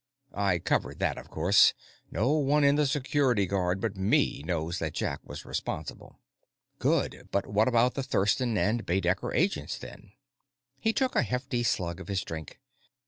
"I covered that, of course. No one in the Security Guard but me knows that Jack was responsible." "Good. But what about the Thurston and Baedecker agents, then?" He took a hefty slug of his drink.